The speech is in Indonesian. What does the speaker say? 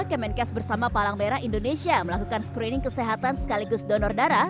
kemenkes bersama palang merah indonesia melakukan screening kesehatan sekaligus donor darah